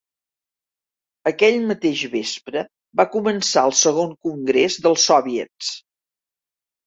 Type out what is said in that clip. Aquell mateix vespre, va començar el Segon Congrés dels Soviets.